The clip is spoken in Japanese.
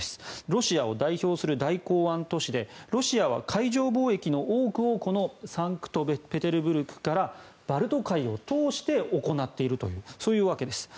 ロシアを代表する大港湾都市でロシアは海上貿易の多くをこのサンクトペテルブルクからバルト海を通して行っているというそういうわけです。